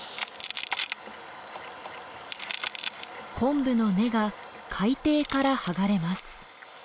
コンブの根が海底から剥がれます。